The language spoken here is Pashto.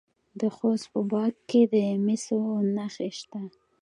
د خوست په باک کې د مسو نښې شته.